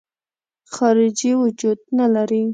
خارجي وجود نه لري.